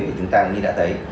thì chúng ta như đã thấy